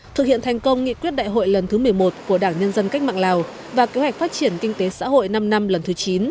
thực hiện thành công nghị quyết đại hội lần thứ một mươi một của đảng nhân dân cách mạng lào và kế hoạch phát triển kinh tế xã hội năm năm lần thứ chín